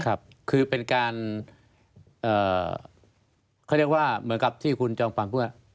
ครับคือเป็นการเขาเรียกว่าเหมือนกับที่คุณจอมฝันพูดว่า